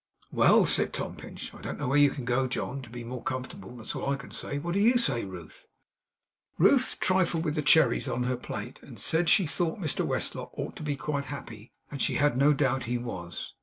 'Well' said Tom Pinch, 'I don't know where you can go, John, to be more comfortable. That's all I can say. What do YOU say, Ruth?' Ruth trifled with the cherries on her plate, and said that she thought Mr Westlock ought to be quite happy, and that she had no doubt he was.